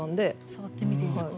触ってみていいですか？